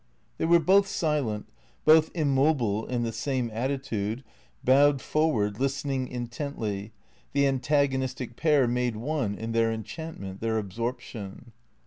They were both silent, both immobile in the same attitude, bowed forward, listening intently, the antagonistic pair made one in their enchantment, their absorption.